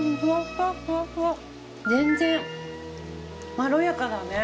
全然まろやかだね。